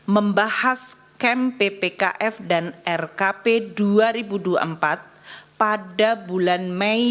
membahas kem ppkf dan rkp dua ribu dua puluh empat pada bulan mei dua ribu dua puluh empat